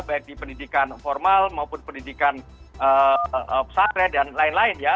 baik di pendidikan formal maupun pendidikan pesantren dan lain lain ya